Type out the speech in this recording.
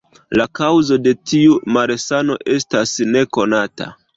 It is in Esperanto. La kaŭzo de tiu malsano estas nekonata.